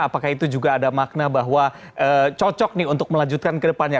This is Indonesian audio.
apakah itu juga ada makna bahwa cocok nih untuk melanjutkan ke depannya